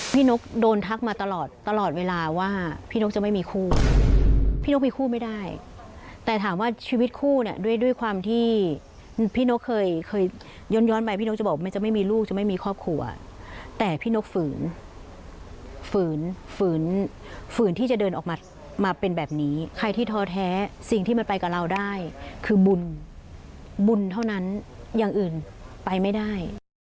นกโดนทักมาตลอดตลอดเวลาว่าพี่นกจะไม่มีคู่พี่นกมีคู่ไม่ได้แต่ถามว่าชีวิตคู่เนี่ยด้วยความที่พี่นกเคยเคยย้อนไปพี่นกจะบอกมันจะไม่มีลูกจะไม่มีครอบครัวแต่พี่นกฝืนฝืนฝืนฝืนที่จะเดินออกมามาเป็นแบบนี้ใครที่ท้อแท้สิ่งที่มันไปกับเราได้คือบุญบุญเท่านั้นอย่างอื่นไปไม่ได้